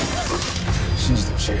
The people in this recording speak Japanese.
信じてほしい。